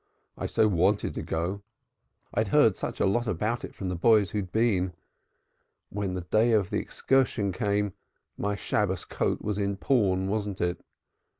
"I so wanted to go I had heard such a lot about it from the boys who had been. When the day of the excursion came my Shabbos coat was in pawn, wasn't it?"